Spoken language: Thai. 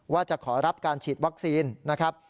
ว่าจะขอรับการฉีดวัคซีนนะครับ